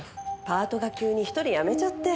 パートが急に１人辞めちゃって。